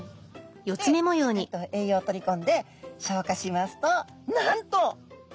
そしてしっかりと栄養を取りこんで消化しますとなんと！